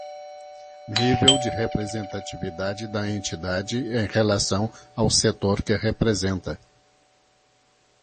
Nível de representatividade da entidade em relação ao setor que representa.